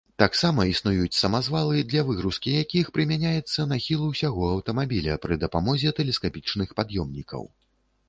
Таксама існуюць самазвалы, для выгрузкі якіх прымяняецца нахіл усяго аўтамабіля пры дапамозе тэлескапічных пад'ёмнікаў.